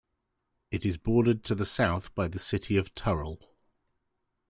It is bordered to the south by the city of Turrell.